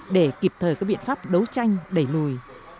để kịp thời có biện pháp đấu tranh đẩy lùi